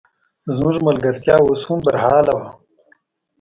زموږ ملګرتیا اوس هم برحاله وه.